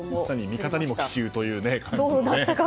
味方にも奇襲というね。